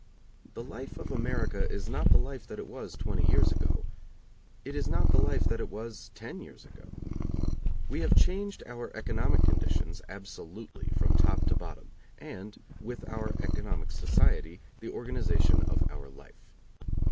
The life of America is not the life that it was twenty years ago; it is not the life that it was ten years ago. We have changed our economic conditions, absolutely, from top to bottom; and, with our economic society, the organization of our life.